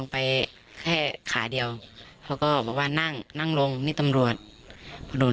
ไปเขาขี่ก็ประมาณ๕๐๐๕๐ขึ้น